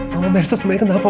mama merasa semangat kenapa